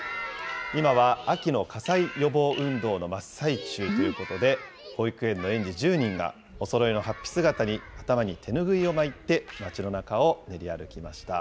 今は秋の火災予防運動の真っ最中ということで、保育園の園児１０人が、おそろいのはっぴ姿に頭に手拭いを巻いて、町の中を練り歩きました。